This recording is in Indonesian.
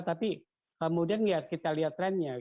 tapi kemudian kita lihat trendnya